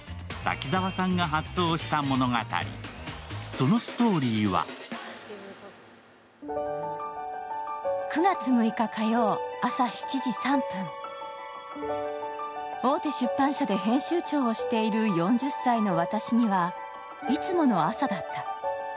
そのストーリーは大手出版社で編集長をしている４０歳の私にはいつもの朝だった。